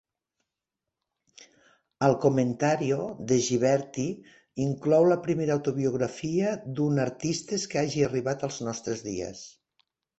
El "Commentario" de Ghiberti inclou la primera autobiografia d'un artistes que hagi arribat als nostres dies.